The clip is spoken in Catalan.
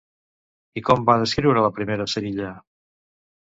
I com va descriure la primera cerilla?